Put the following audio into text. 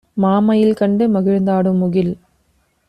"மாமயில் கண்டு மகிழ்ந்தாடும் முகில்